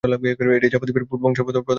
এটি জাভা দ্বীপের পূর্ব অংশের প্রধান বন্দর।